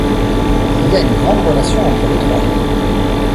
Il y a une grande relation entre les trois.